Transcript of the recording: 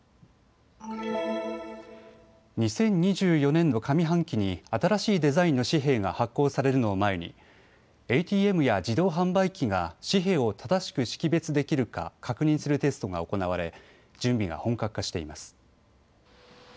２０２４年度上半期に新しいデザインの紙幣が発行されるのを前にＡＴＭや自動販売機が紙幣を正しく識別できるか確認するテストが行われ準備が本格化しています。